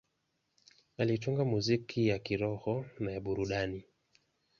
Alitunga muziki ya kiroho na ya burudani.